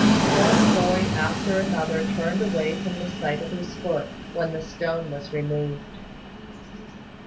One boy after another turned away from the sight of his foot, when the stone was removed.